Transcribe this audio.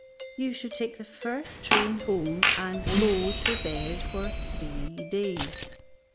You should take the first train home and go to bed for three days.